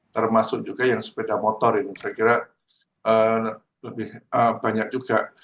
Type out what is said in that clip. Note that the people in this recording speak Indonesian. termasuk juga yang sepeda motor yang saya kira lebih banyak juga